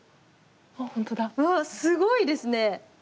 うわっ、すごいですね。